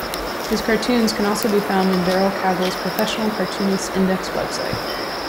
His cartoons can also be found in Daryl Cagle's Professional Cartoonists Index website.